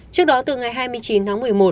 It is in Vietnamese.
trước đó từ ngày hai mươi chín tháng một mươi một